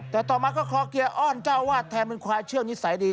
แต่ต่อมาก็คอเกียร์อ้อนเจ้าวาดแทนเป็นควายเชื่องนิสัยดี